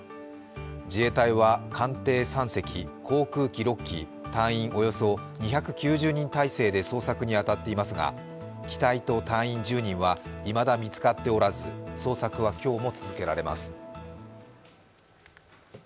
自衛隊は艦艇３隻、航空機６機隊員およそ２９０人態勢で捜索に当たっていますが機体と隊員１０人はいまだ見つかっておらず、捜索は今日も続けられます。